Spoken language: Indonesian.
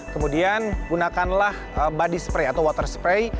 kemudian gunakanlah body spray atau water spray